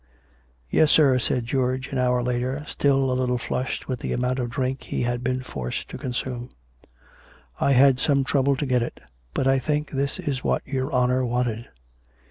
Ill " Yes, sir," said George an hour later, still a little flushed with the amount of drink he had been forced to consume. " I had some trouble to get it. But I think this is what your honour wanted."